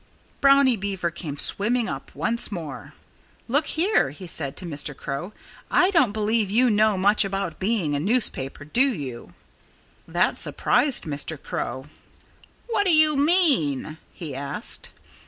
Brownie Beaver came swimming up once more. "Look here!" he said to Mr. Crow. "I don't believe yon know much about being a newspaper, do you?" That surprised Mr. Crow. "What do you mean?" he asked.